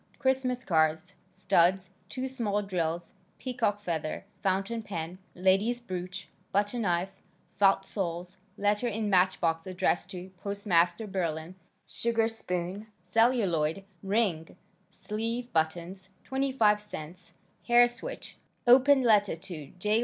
Christmas cards, studs, 2 small drills, peacock feather, fountain pen, ladies brooch, butter knife, felt soles, letter in match box addressed to postmaster Berlin, sugarspoon, celluloid, ring, sleeve buttons, 25 cents, hair switch, open letter to J.